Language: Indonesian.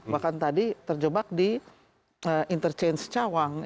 bahkan tadi terjebak di interchange cawang